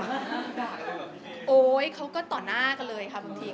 โจ๊ะอยากมีต่อหน้ากันเลย